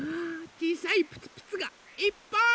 ちいさいプツプツがいっぱい！